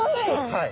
はい。